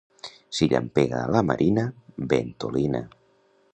Si llampega a la marina, ventolina.